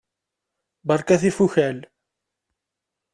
Berkat tifukal!